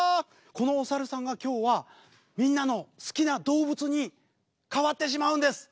このお猿さんが今日はみんなの好きな動物に変わってしまうんです。